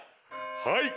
はい。